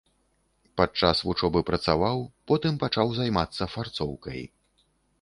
Падчас вучобы працаваў, потым пачаў займацца фарцоўкай.